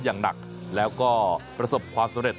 อย่างหนักและก็ประสบความเสร็จ